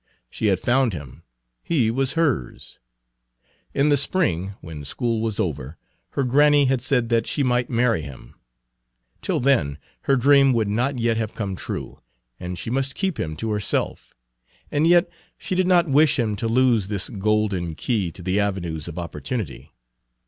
She had found him; he was hers. In the spring, when school was over, her granny had said that she might marry him. Till then her dream would not yet have come true, and she must keep him to herself. And yet she did not wish him to lose this golden key to the avenues of opportunity.